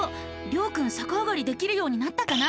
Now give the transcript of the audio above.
りょうくんさかあがりできるようになったかな？